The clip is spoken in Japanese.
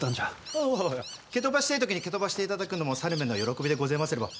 おお蹴飛ばしてぇ時に蹴飛ばしていただくのも猿めの喜びでごぜますれば。